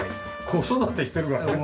子育てしてるからね。